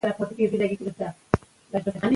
هغه به هر کال ډالۍ لیږي.